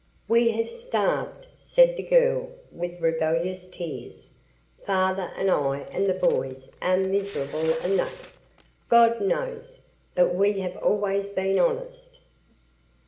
"We have starved," said the girl, with rebellious tears. "Father and I and the boys are miserable enough, God knows; but we have always been honest."